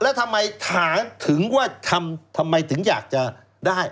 แล้วทำไมถามถึงว่าทำไมถึงอยากจะได้